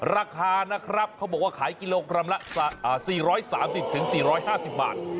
ราคานะครับเขาบอกว่าขายกิโลกรัมละ๔๓๐๔๕๐บาท